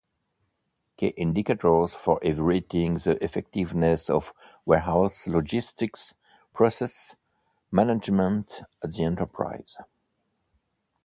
Key indicators for evaluating the effectiveness of warehouse logistics processes management at the enterprise